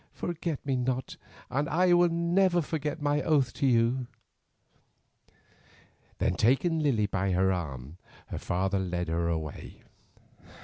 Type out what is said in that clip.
"Forget me not and I will never forget my oath to you." Then taking Lily by the arm her father led her away.